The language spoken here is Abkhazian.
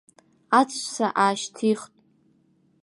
Аҵәца аашьҭихт.